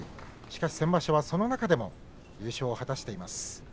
しかし、先場所はその中でも優勝を果たしています。